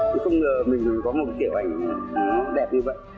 tôi không ngờ mình có một kiểu ảnh đẹp như vậy